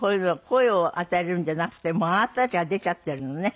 声を当てるんじゃなくてもうあなたたちが出ちゃってるのね。